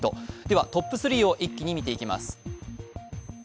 トップ３を一気に見ていきます。